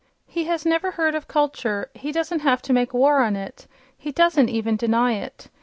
He has never heard of culture; he doesn't have to make war on it—he doesn't even deny it....